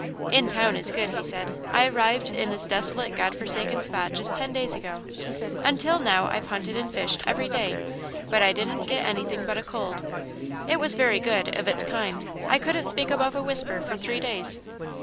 "'In town' is good," he said. "I arrived in this desolate, God forsaken spot just ten days ago. Until now I've hunted and fished every day, but I didn't get anything but a cold. It was very good, of its kind I couldn't speak above a whisper for three days."